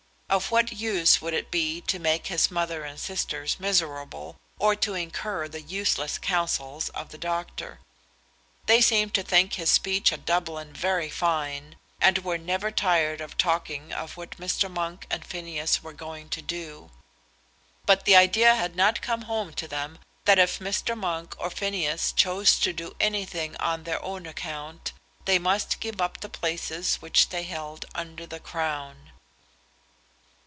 Of what use would it be to make his mother and sisters miserable, or to incur the useless counsels of the doctor? They seemed to think his speech at Dublin very fine, and were never tired of talking of what Mr. Monk and Phineas were going to do; but the idea had not come home to them that if Mr. Monk or Phineas chose to do anything on their own account, they must give up the places which they held under the Crown.